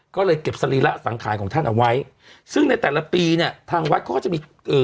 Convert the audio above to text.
ก็เลยเก็บสรีระสังขารของท่านเอาไว้ซึ่งในแต่ละปีเนี่ยทางวัดเขาก็จะมีเอ่อ